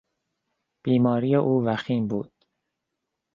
بیماری او وخیم بود.